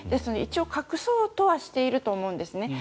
一応、隠そうとはしていると思うんですね。